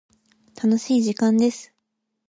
楽しい時間です。